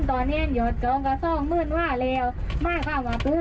แต่คนพื้นที่เขาเข้าใจคุณ